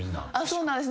そうなんです。